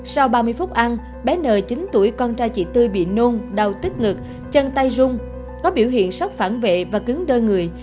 sau ba mươi phút ăn bé chín tuổi con trai chị tươi bị nôn đau tức ngực chân tay rung có biểu hiện sốc phản vệ và cứng đơn người